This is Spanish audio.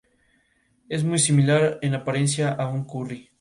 Es muy similar en apariencia a un curry.